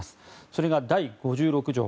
それが第５６条。